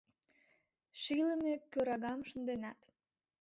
Шийлыме кӧрагам шынденат.